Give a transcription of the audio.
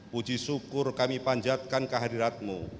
puji syukur kami panjatkan kehadiratmu